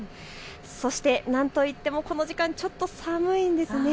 そして、なんといってもこの時間ちょっと寒いんです。